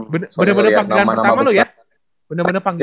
bener bener panggilan pertama lu ya